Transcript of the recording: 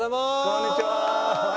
こんにちは。